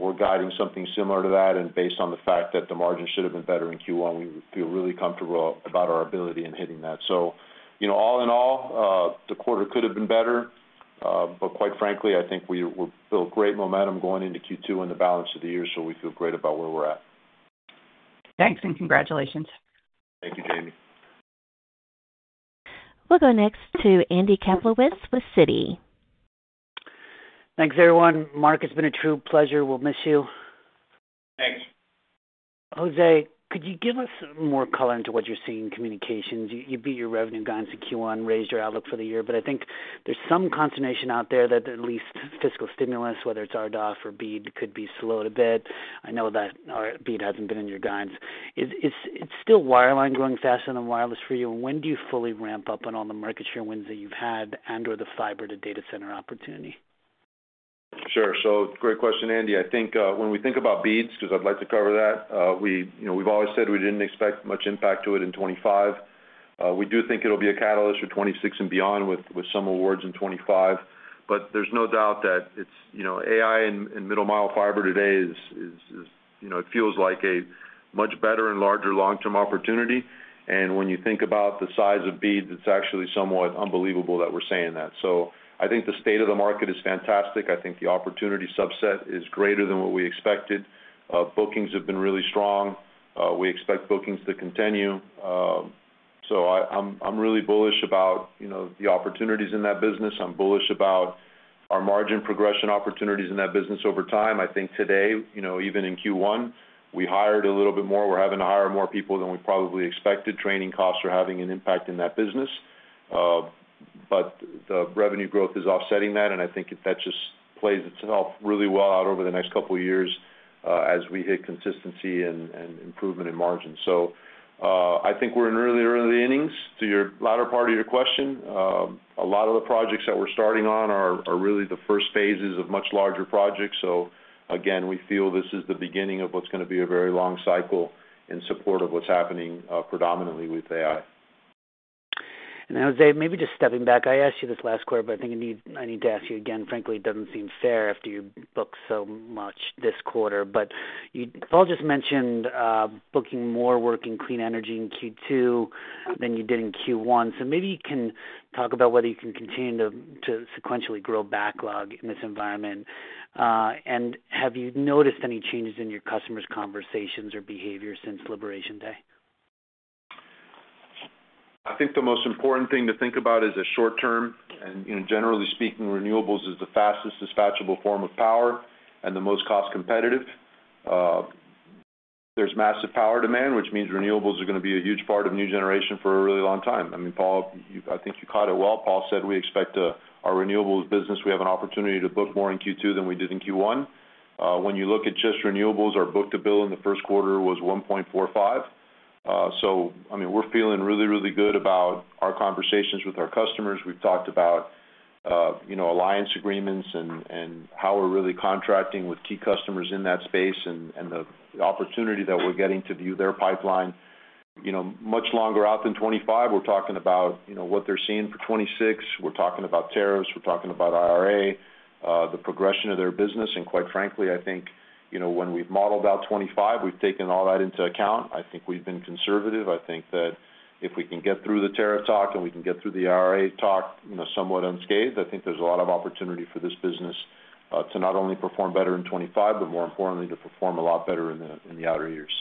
We're guiding something similar to that. Based on the fact that the margin should have been better in Q1, we feel really comfortable about our ability in hitting that. All in all, the quarter could have been better, but quite frankly, I think we built great momentum going into Q2 and the balance of the year, so we feel great about where we're at. Thanks, and congratulations. Thank you, Jamie. We'll go next to Andy Kaplowitz with Citi. Thanks, everyone. Marc, it's been a true pleasure. We'll miss you. Thanks. Jose, could you give us more color into what you're seeing in communications? You beat your revenue guidance in Q1, raised your outlook for the year, but I think there's some consternation out there that at least fiscal stimulus, whether it's RDoF or BEAD, could be slowed a bit. I know that BEAD hasn't been in your guidance. It's still wireline growing faster than wireless for you. When do you fully ramp up on all the market share wins that you've had and/or the fiber to data center opportunity? Sure. Great question, Andy. I think when we think about BEADs, because I'd like to cover that, we've always said we didn't expect much impact to it in 2025. We do think it'll be a catalyst for 2026 and beyond with some awards in 2025. There is no doubt that AI and middle-mile fiber today feels like a much better and larger long-term opportunity. When you think about the size of BEADs, it is actually somewhat unbelievable that we are saying that. I think the state of the market is fantastic. I think the opportunity subset is greater than what we expected. Bookings have been really strong. We expect bookings to continue. I am really bullish about the opportunities in that business. I am bullish about our margin progression opportunities in that business over time. I think today, even in Q1, we hired a little bit more. We are having to hire more people than we probably expected. Training costs are having an impact in that business. The revenue growth is offsetting that, and I think that just plays itself really well out over the next couple of years as we hit consistency and improvement in margins. I think we're in really early innings to your latter part of your question. A lot of the projects that we're starting on are really the first phases of much larger projects. Again, we feel this is the beginning of what's going to be a very long cycle in support of what's happening predominantly with AI. Jose, maybe just stepping back, I asked you this last quarter, but I think I need to ask you again. Frankly, it doesn't seem fair after you booked so much this quarter. Paul just mentioned booking more work in clean energy in Q2 than you did in Q1. Maybe you can talk about whether you can continue to sequentially grow backlog in this environment. Have you noticed any changes in your customers' conversations or behavior since Liberation Day? I think the most important thing to think about is the short term. Generally speaking, renewables is the fastest dispatchable form of power and the most cost-competitive. There is massive power demand, which means renewables are going to be a huge part of new generation for a really long time. I mean, Paul, I think you caught it well. Paul said we expect our renewables business, we have an opportunity to book more in Q2 than we did in Q1. When you look at just renewables, our book-to-bill in the first quarter was 1.45. I mean, we are feeling really, really good about our conversations with our customers. We've talked about alliance agreements and how we're really contracting with key customers in that space and the opportunity that we're getting to view their pipeline much longer out than 2025. We're talking about what they're seeing for 2026. We're talking about tariffs. We're talking about IRA, the progression of their business. Quite frankly, I think when we've modeled out 2025, we've taken all that into account. I think we've been conservative. I think that if we can get through the tariff talk and we can get through the IRA talk somewhat unscathed, I think there's a lot of opportunity for this business to not only perform better in 2025, but more importantly, to perform a lot better in the outer years.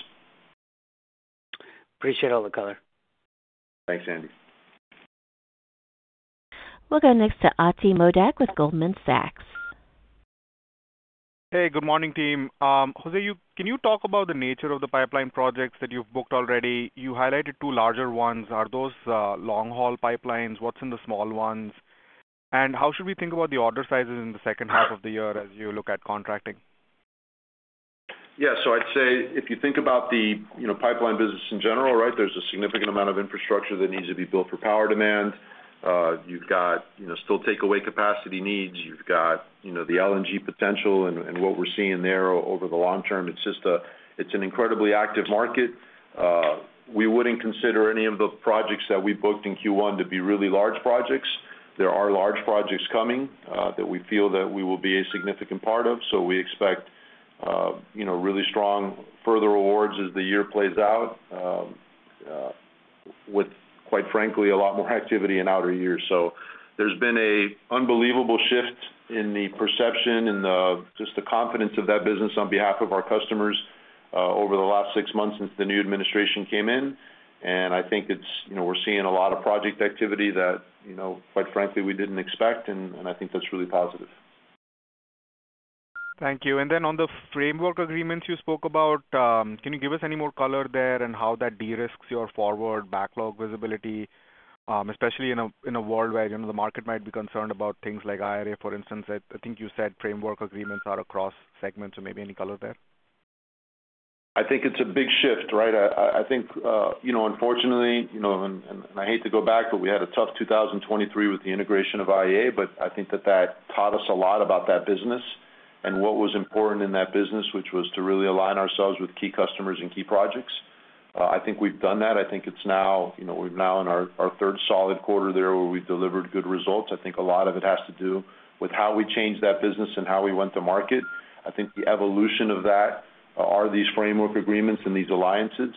Appreciate all the color. Thanks, Andy. We'll go next to Atidrip Modak with Goldman Sachs. Hey, good morning, team. Jose, can you talk about the nature of the pipeline projects that you've booked already? You highlighted two larger ones. Are those long-haul pipelines? What's in the small ones? How should we think about the order sizes in the second half of the year as you look at contracting? Yeah. I'd say if you think about the pipeline business in general, right, there's a significant amount of infrastructure that needs to be built for power demand. You've got still takeaway capacity needs. You've got the LNG potential and what we're seeing there over the long term. It's an incredibly active market. We wouldn't consider any of the projects that we booked in Q1 to be really large projects. There are large projects coming that we feel that we will be a significant part of. We expect really strong further awards as the year plays out with, quite frankly, a lot more activity in outer years. There has been an unbelievable shift in the perception and just the confidence of that business on behalf of our customers over the last six months since the new administration came in. I think we are seeing a lot of project activity that, quite frankly, we did not expect. I think that is really positive. Thank you. On the framework agreements you spoke about, can you give us any more color there and how that de-risks your forward backlog visibility, especially in a world where the market might be concerned about things like IRA, for instance? I think you said framework agreements are across segments. Maybe any color there? I think it is a big shift, right? I think, unfortunately, and I hate to go back, but we had a tough 2023 with the integration of IEA, but I think that that taught us a lot about that business and what was important in that business, which was to really align ourselves with key customers and key projects. I think we've done that. I think we're now in our third solid quarter there where we've delivered good results. I think a lot of it has to do with how we changed that business and how we went to market. I think the evolution of that are these framework agreements and these alliances.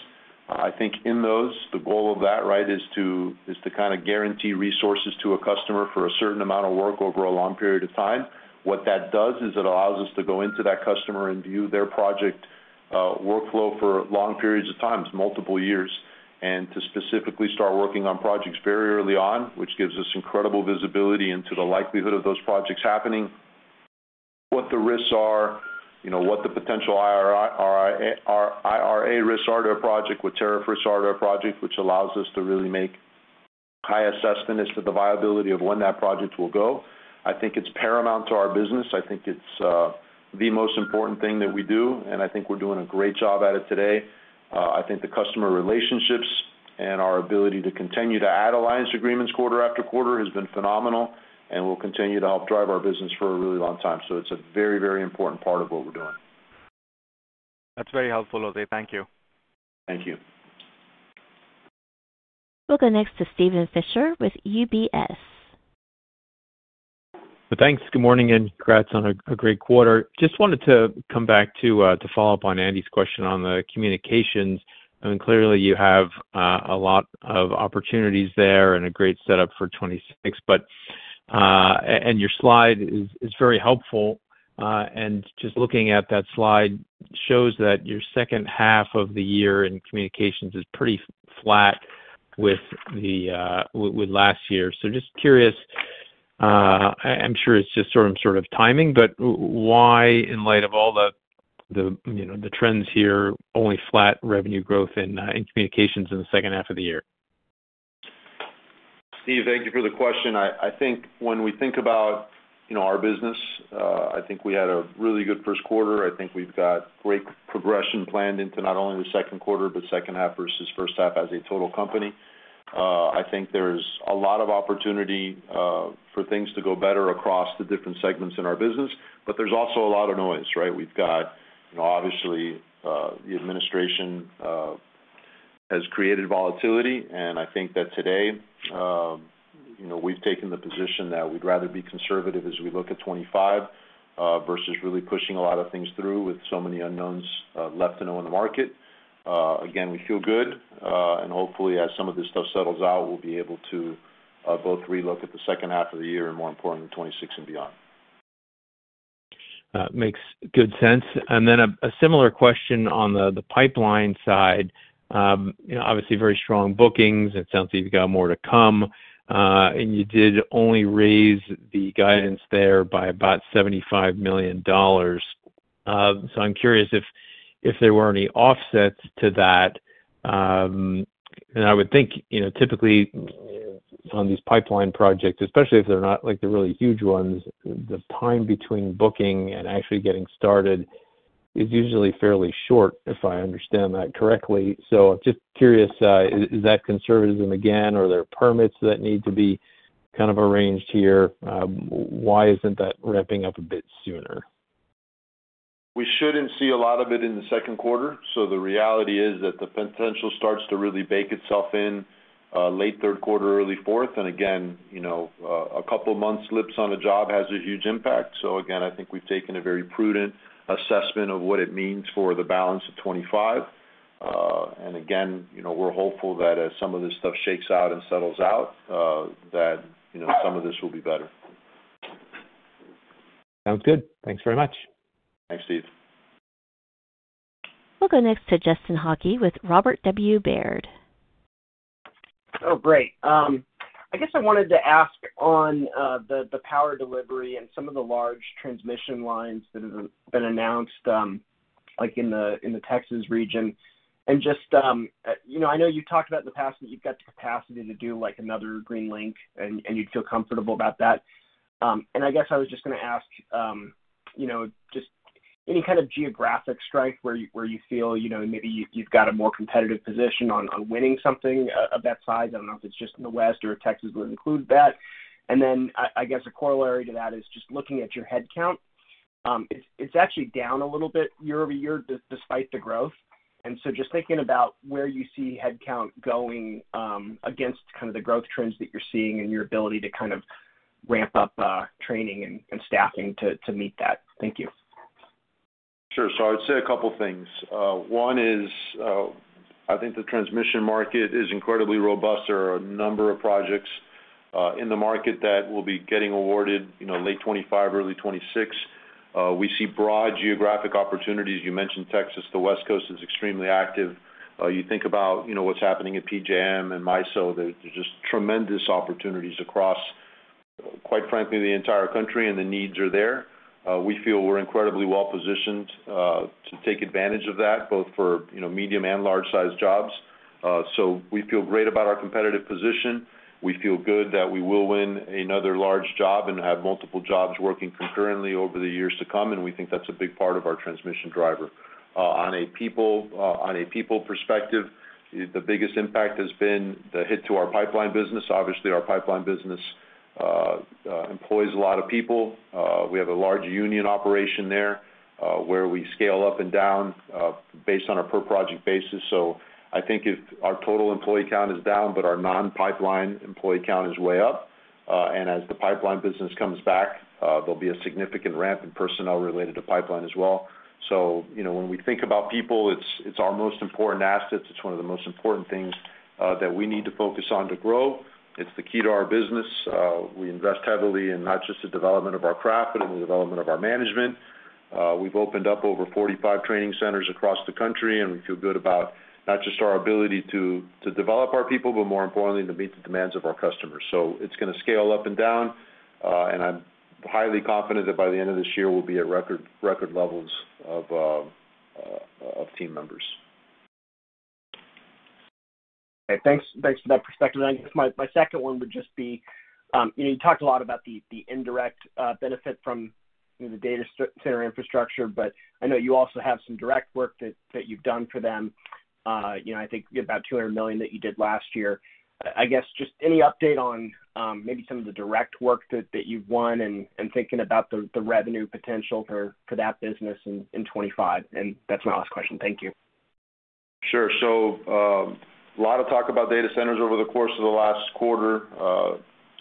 I think in those, the goal of that, right, is to kind of guarantee resources to a customer for a certain amount of work over a long period of time. What that does is it allows us to go into that customer and view their project workflow for long periods of time, multiple years, and to specifically start working on projects very early on, which gives us incredible visibility into the likelihood of those projects happening, what the risks are, what the potential IRA risks are to a project, what tariff risks are to a project, which allows us to really make high assessments to the viability of when that project will go. I think it's paramount to our business. I think it's the most important thing that we do. I think we're doing a great job at it today. I think the customer relationships and our ability to continue to add alliance agreements quarter after quarter has been phenomenal and will continue to help drive our business for a really long time. It is a very, very important part of what we are doing. That is very helpful, Jose. Thank you. Thank you. We will go next to Steven Fisher with UBS. Thanks. Good morning and congrats on a great quarter. Just wanted to come back to follow up on Andy's question on the communications. I mean, clearly you have a lot of opportunities there and a great setup for 2026. Your slide is very helpful. Just looking at that slide shows that your second half of the year in communications is pretty flat with last year. Just curious, I am sure it is just sort of timing, but why, in light of all the trends here, only flat revenue growth in communications in the second half of the year? Steven, thank you for the question. I think when we think about our business, I think we had a really good first quarter. I think we've got great progression planned into not only the second quarter, but second half versus first half as a total company. I think there's a lot of opportunity for things to go better across the different segments in our business, but there's also a lot of noise, right? We've got, obviously, the administration has created volatility. I think that today we've taken the position that we'd rather be conservative as we look at 2025 versus really pushing a lot of things through with so many unknowns left to know in the market. Again, we feel good. Hopefully, as some of this stuff settles out, we'll be able to both relook at the second half of the year and, more importantly, 2026 and beyond. That makes good sense. A similar question on the pipeline side. Obviously, very strong bookings. It sounds like you've got more to come. You did only raise the guidance there by about $75 million. I'm curious if there were any offsets to that. I would think, typically, on these pipeline projects, especially if they're not the really huge ones, the time between booking and actually getting started is usually fairly short, if I understand that correctly. I'm just curious, is that conservatism again? Are there permits that need to be kind of arranged here? Why isn't that ramping up a bit sooner? We shouldn't see a lot of it in the second quarter. The reality is that the potential starts to really bake itself in late third quarter, early fourth. Again, a couple of months slips on a job has a huge impact. I think we've taken a very prudent assessment of what it means for the balance of 2025. Again, we're hopeful that as some of this stuff shakes out and settles out, that some of this will be better. Sounds good. Thanks very much. Thanks, Steve. We'll go next to Justin Hauke with Robert W. Baird. Oh, great. I guess I wanted to ask on the power delivery and some of the large transmission lines that have been announced in the Texas region. I know you've talked about in the past that you've got the capacity to do another GreenLink, and you'd feel comfortable about that. I guess I was just going to ask just any kind of geographic strife where you feel maybe you've got a more competitive position on winning something of that size. I don't know if it's just in the West or Texas would include that. I guess a corollary to that is just looking at your headcount. It's actually down a little bit year over year despite the growth. Just thinking about where you see headcount going against kind of the growth trends that you're seeing and your ability to kind of ramp up training and staffing to meet that. Thank you. Sure. I would say a couple of things. One is I think the transmission market is incredibly robust. There are a number of projects in the market that will be getting awarded late 2025, early 2026. We see broad geographic opportunities. You mentioned Texas. The West Coast is extremely active. You think about what's happening at PJM and MISO. There's just tremendous opportunities across, quite frankly, the entire country, and the needs are there. We feel we're incredibly well-positioned to take advantage of that, both for medium and large-sized jobs. We feel great about our competitive position. We feel good that we will win another large job and have multiple jobs working concurrently over the years to come. We think that's a big part of our transmission driver. On a people perspective, the biggest impact has been the hit to our pipeline business. Obviously, our pipeline business employs a lot of people. We have a large union operation there where we scale up and down based on a per-project basis. I think if our total employee count is down, our non-pipeline employee count is way up. As the pipeline business comes back, there'll be a significant ramp in personnel related to pipeline as well. When we think about people, it's our most important asset. It's one of the most important things that we need to focus on to grow. It's the key to our business. We invest heavily in not just the development of our craft, but in the development of our management. We've opened up over 45 training centers across the country, and we feel good about not just our ability to develop our people, but more importantly, to meet the demands of our customers. It is going to scale up and down. I'm highly confident that by the end of this year, we'll be at record levels of team members. Okay. Thanks for that perspective. I guess my second one would just be you talked a lot about the indirect benefit from the data center infrastructure, but I know you also have some direct work that you've done for them. I think about $200 million that you did last year. I guess just any update on maybe some of the direct work that you've won and thinking about the revenue potential for that business in 2025? And that's my last question. Thank you. Sure. A lot of talk about data centers over the course of the last quarter.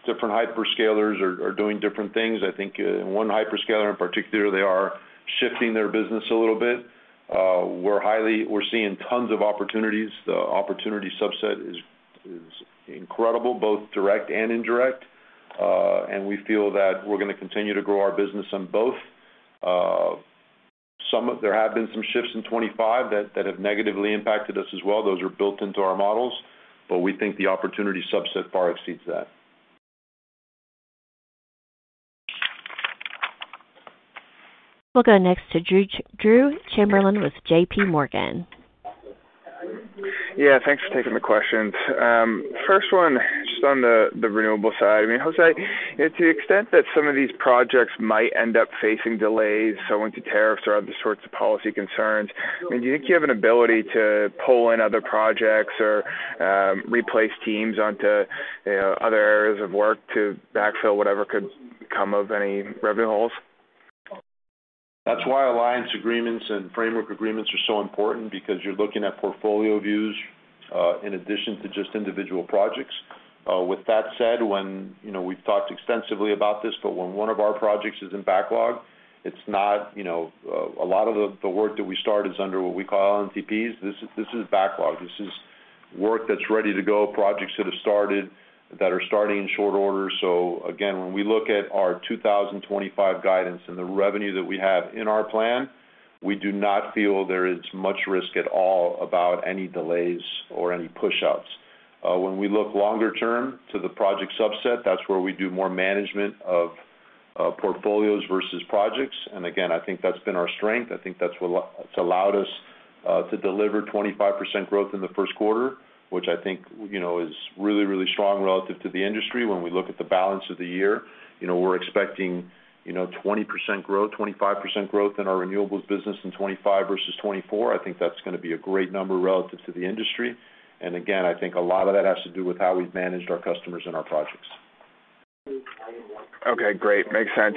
Different hyperscalers are doing different things. I think in one hyperscaler in particular, they are shifting their business a little bit. We're seeing tons of opportunities. The opportunity subset is incredible, both direct and indirect. We feel that we're going to continue to grow our business in both. There have been some shifts in 2025 that have negatively impacted us as well. Those are built into our models. We think the opportunity subset far exceeds that. We'll go next to Drew Chamberlain with JP Morgan. Yeah. Thanks for taking the questions. First one, just on the renewable side. I mean, Jose, to the extent that some of these projects might end up facing delays, so into tariffs or other sorts of policy concerns, I mean, do you think you have an ability to pull in other projects or replace teams onto other areas of work to backfill whatever could come of any revenue holes? That's why alliance agreements and framework agreements are so important because you're looking at portfolio views in addition to just individual projects. With that said, we've talked extensively about this, but when one of our projects is in backlog, a lot of the work that we start is under what we call LNTPs. This is backlog. This is work that's ready to go, projects that have started that are starting in short order. Again, when we look at our 2025 guidance and the revenue that we have in our plan, we do not feel there is much risk at all about any delays or any push-outs. When we look longer term to the project subset, that's where we do more management of portfolios versus projects. I think that's been our strength. I think that's what's allowed us to deliver 25% growth in the first quarter, which I think is really, really strong relative to the industry. When we look at the balance of the year, we're expecting 20% growth, 25% growth in our renewables business in 2025 versus 2024. I think that's going to be a great number relative to the industry. I think a lot of that has to do with how we've managed our customers and our projects. Okay. Great. Makes sense.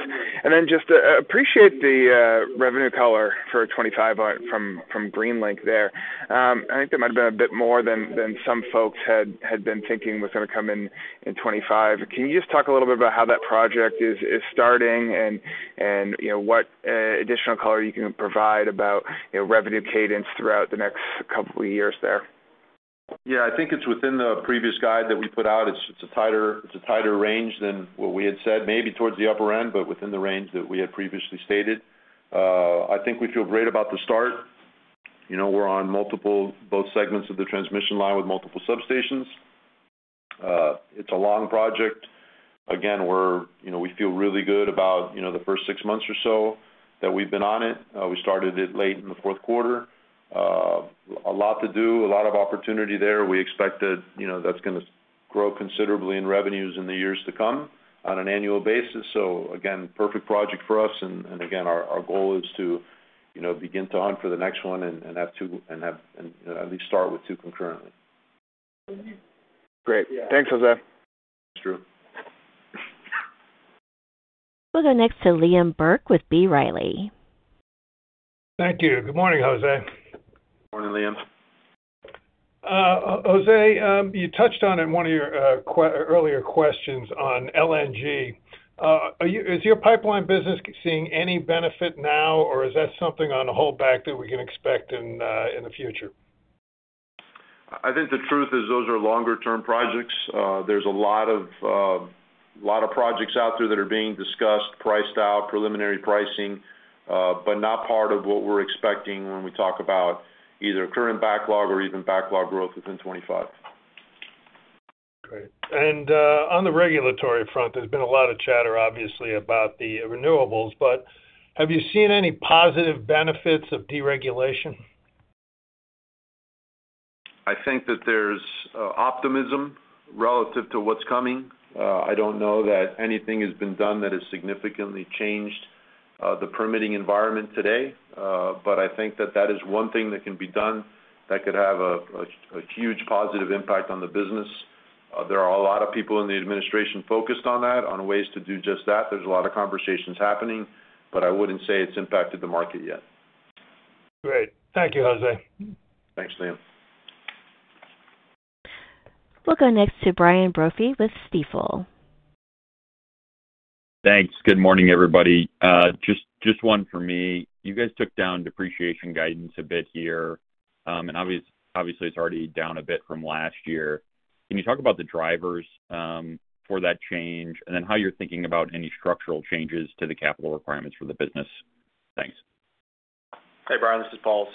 Just appreciate the revenue color for 2025 from GreenLink there. I think there might have been a bit more than some folks had been thinking was going to come in 2025. Can you just talk a little bit about how that project is starting and what additional color you can provide about revenue cadence throughout the next couple of years there? Yeah. I think it's within the previous guide that we put out. It's a tighter range than what we had said, maybe towards the upper end, but within the range that we had previously stated. I think we feel great about the start. We're on multiple both segments of the transmission line with multiple substations. It's a long project. Again, we feel really good about the first six months or so that we've been on it. We started it late in the fourth quarter. A lot to do, a lot of opportunity there. We expected that's going to grow considerably in revenues in the years to come on an annual basis. Again, perfect project for us. Again, our goal is to begin to hunt for the next one and have two and at least start with two concurrently. Great. Thanks, Jose. Thanks, Drew. We'll go next to Liam Burke with B. Riley. Thank you. Good morning, Jose. Morning, Liam. Jose, you touched on it in one of your earlier questions on LNG. Is your pipeline business seeing any benefit now, or is that something on a hold back that we can expect in the future? I think the truth is those are longer-term projects. There's a lot of projects out there that are being discussed, priced out, preliminary pricing, but not part of what we're expecting when we talk about either current backlog or even backlog growth within 2025. Great. On the regulatory front, there's been a lot of chatter, obviously, about the renewables, but have you seen any positive benefits of deregulation? I think that there's optimism relative to what's coming. I don't know that anything has been done that has significantly changed the permitting environment today, but I think that that is one thing that can be done that could have a huge positive impact on the business. There are a lot of people in the administration focused on that, on ways to do just that. There's a lot of conversations happening, but I wouldn't say it's impacted the market yet. Great. Thank you, Jose. Thanks, Liam. We'll go next to Brian Brophy with Stifel. Thanks. Good morning, everybody. Just one for me. You guys took down depreciation guidance a bit here. And obviously, it's already down a bit from last year. Can you talk about the drivers for that change and then how you're thinking about any structural changes to the capital requirements for the business? Thanks. Hey, Brian. This is Paul.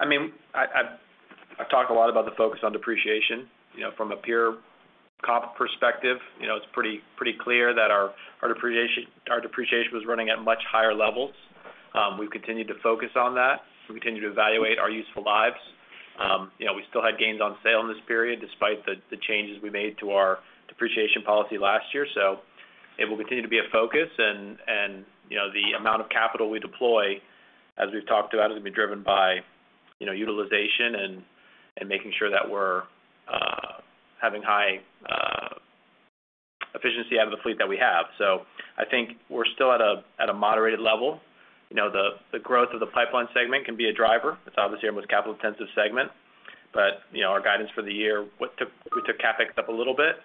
I mean, I've talked a lot about the focus on depreciation. From a peer comp perspective, it's pretty clear that our depreciation was running at much higher levels. We've continued to focus on that. We continue to evaluate our useful lives. We still had gains on sale in this period despite the changes we made to our depreciation policy last year. It will continue to be a focus. The amount of capital we deploy, as we've talked about, is going to be driven by utilization and making sure that we're having high efficiency out of the fleet that we have. I think we're still at a moderated level. The growth of the pipeline segment can be a driver. It's obviously our most capital-intensive segment. Our guidance for the year, we took CapEx up a little bit,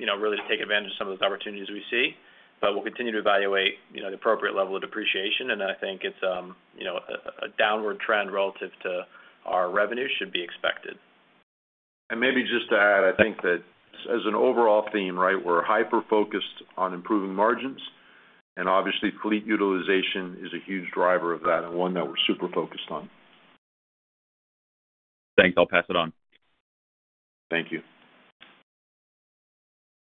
really to take advantage of some of those opportunities we see. We'll continue to evaluate the appropriate level of depreciation. I think it's a downward trend relative to our revenue should be expected. Maybe just to add, I think that as an overall theme, we're hyper-focused on improving margins. Obviously, fleet utilization is a huge driver of that and one that we're super focused on. Thanks. I'll pass it on. Thank you.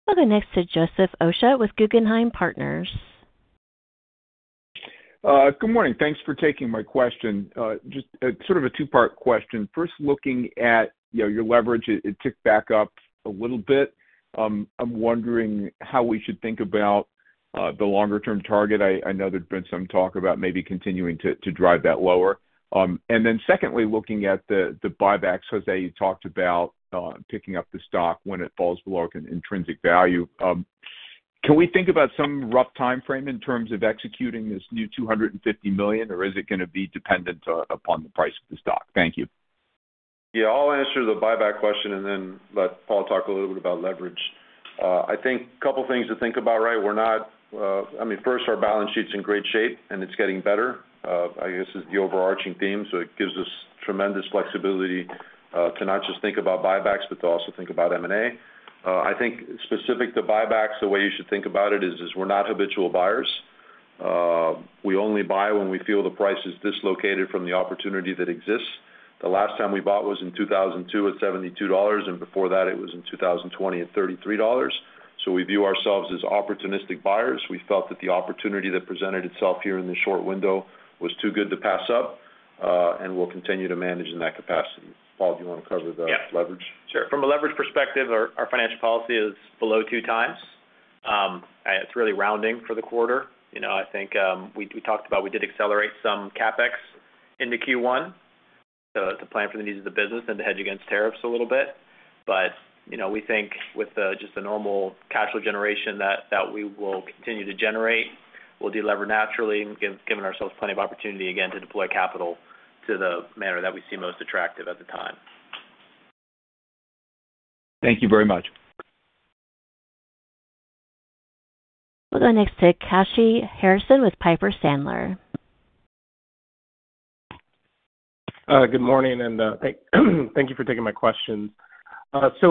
We'll go next to Joseph Osha with Guggenheim Partners. Good morning. Thanks for taking my question. Just sort of a two-part question. First, looking at your leverage, it ticked back up a little bit. I'm wondering how we should think about the longer-term target. I know there's been some talk about maybe continuing to drive that lower. Secondly, looking at the buybacks, Jose, you talked about picking up the stock when it falls below an intrinsic value. Can we think about some rough timeframe in terms of executing this new $250 million, or is it going to be dependent upon the price of the stock? Thank you. Yeah. I'll answer the buyback question and then let Paul talk a little bit about leverage. I think a couple of things to think about, right? I mean, first, our balance sheet's in great shape, and it's getting better. I guess it's the overarching theme. It gives us tremendous flexibility to not just think about buybacks, but to also think about M&A. I think specific to buybacks, the way you should think about it is we're not habitual buyers. We only buy when we feel the price is dislocated from the opportunity that exists. The last time we bought was in 2002 at $72, and before that, it was in 2020 at $33. We view ourselves as opportunistic buyers. We felt that the opportunity that presented itself here in the short window was too good to pass up, and we'll continue to manage in that capacity. Paul, do you want to cover the leverage? Sure. From a leverage perspective, our financial policy is below two times. It's really rounding for the quarter. I think we talked about we did accelerate some CapEx in the Q1 to plan for the needs of the business and to hedge against tariffs a little bit. We think with just the normal cash flow generation that we will continue to generate, we'll delever naturally, giving ourselves plenty of opportunity again to deploy capital to the manner that we see most attractive at the time. Thank you very much. We'll go next to Kashy Harrison with Piper Sandler. Good morning, and thank you for taking my questions. Based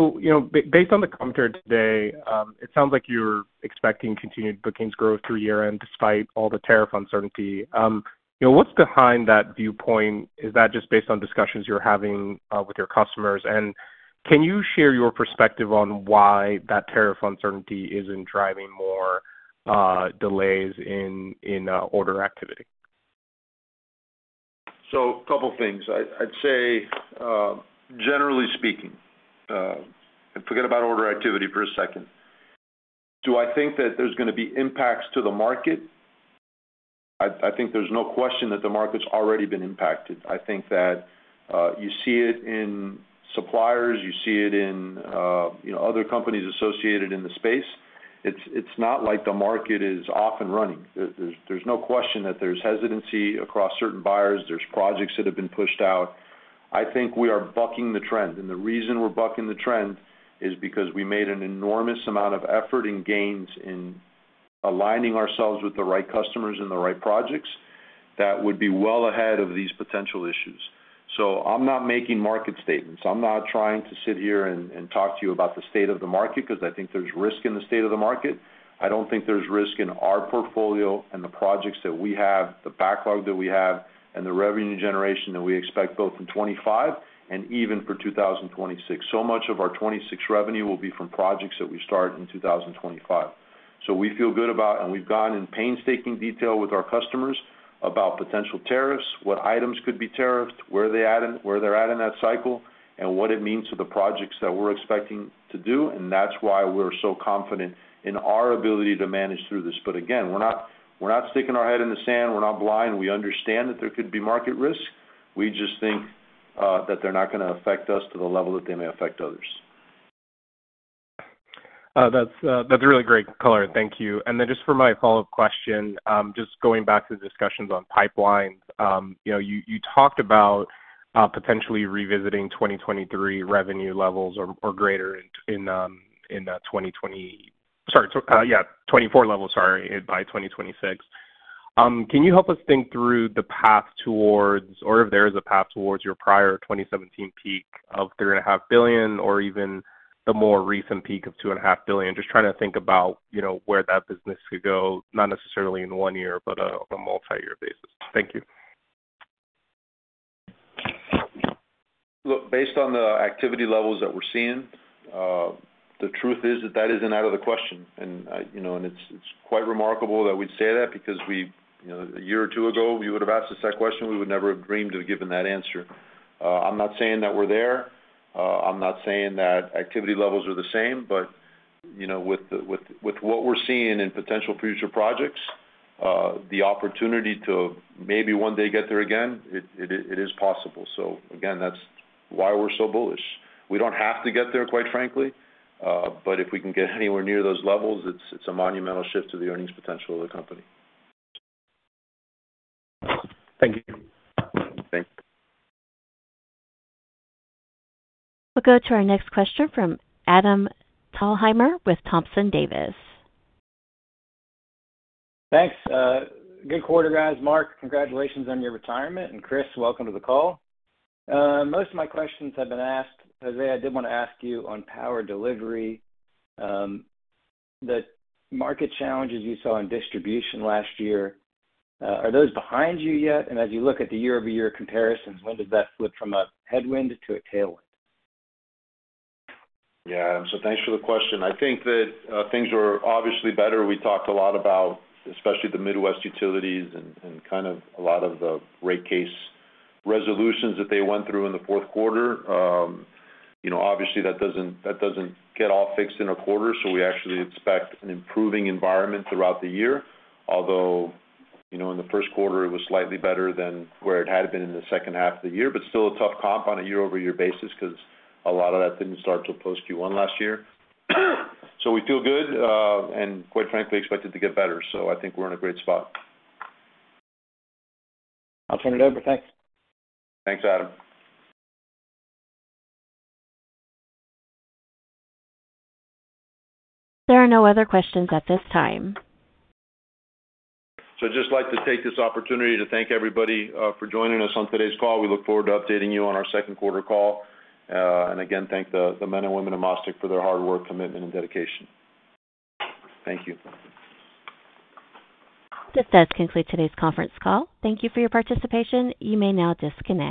on the commentary today, it sounds like you're expecting continued bookings growth through year-end despite all the tariff uncertainty. What's behind that viewpoint? Is that just based on discussions you're having with your customers? Can you share your perspective on why that tariff uncertainty isn't driving more delays in order activity? A couple of things. I'd say, generally speaking, and forget about order activity for a second, do I think that there's going to be impacts to the market? I think there's no question that the market's already been impacted. I think that you see it in suppliers. You see it in other companies associated in the space. It's not like the market is off and running. There's no question that there's hesitancy across certain buyers. There's projects that have been pushed out. I think we are bucking the trend. The reason we're bucking the trend is because we made an enormous amount of effort and gains in aligning ourselves with the right customers and the right projects that would be well ahead of these potential issues. I am not making market statements. I'm not trying to sit here and talk to you about the state of the market because I think there's risk in the state of the market. I don't think there's risk in our portfolio and the projects that we have, the backlog that we have, and the revenue generation that we expect both in 2025 and even for 2026. So much of our 2026 revenue will be from projects that we start in 2025. We feel good about, and we've gone in painstaking detail with our customers about potential tariffs, what items could be tariffed, where they're at in that cycle, and what it means to the projects that we're expecting to do. That's why we're so confident in our ability to manage through this. Again, we're not sticking our head in the sand. We're not blind. We understand that there could be market risk. We just think that they're not going to affect us to the level that they may affect others. That's really great call in. Thank you. Just for my follow-up question, just going back to the discussions on pipelines, you talked about potentially revisiting 2023 revenue levels or greater in 2024—sorry, by 2026. Can you help us think through the path towards, or if there is a path towards your prior 2017 peak of $3.5 billion or even the more recent peak of $2.5 billion? Just trying to think about where that business could go, not necessarily in one year, but on a multi-year basis. Thank you. Look, based on the activity levels that we're seeing, the truth is that that isn't out of the question. It is quite remarkable that we would say that because a year or two ago, if you would have asked us that question, we would never have dreamed of giving that answer. I am not saying that we are there. I am not saying that activity levels are the same. With what we are seeing in potential future projects, the opportunity to maybe one day get there again, it is possible. Again, that is why we are so bullish. We do not have to get there, quite frankly. If we can get anywhere near those levels, it is a monumental shift to the earnings potential of the company. Thank you. Thank you. We will go to our next question from Adam Thalhimer with Thompson Davis. Thanks. Good quarter, guys. Marc, congratulations on your retirement. Chris, welcome to the call. Most of my questions have been asked. Jose, I did want to ask you on power delivery, the market challenges you saw in distribution last year, are those behind you yet? As you look at the year-over-year comparisons, when does that flip from a headwind to a tailwind? Yeah. Thanks for the question. I think that things are obviously better. We talked a lot about, especially the Midwest utilities and kind of a lot of the rate case resolutions that they went through in the fourth quarter. Obviously, that does not get all fixed in a quarter. We actually expect an improving environment throughout the year, although in the first quarter, it was slightly better than where it had been in the second half of the year, but still a tough comp on a year-over-year basis because a lot of that did not start till post Q1 last year. We feel good and, quite frankly, expect it to get better. I think we are in a great spot. I'll turn it over. Thanks. Thanks, Adam. There are no other questions at this time. I would just like to take this opportunity to thank everybody for joining us on today's call. We look forward to updating you on our second quarter call. Again, I thank the men and women of MasTec for their hard work, commitment, and dedication. Thank you. This does conclude today's conference call. Thank you for your participation. You may now disconnect.